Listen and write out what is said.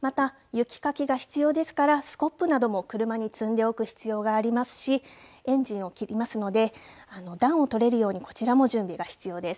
また雪かきが必要ですから、スコップなども車に積んでおく必要がありますし、エンジンを切りますので、暖をとれるように、こちらも準備が必要です。